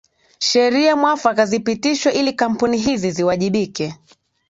Sheria mwafaka zipitishwe ili kampuni hizi ziwajibike